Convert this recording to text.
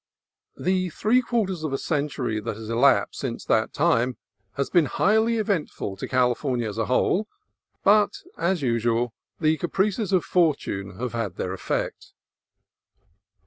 The three quarters of a century that has elapsed since that time has been highly eventful to Cali fornia as a whole, but as usual the caprices of for tune have had their effect.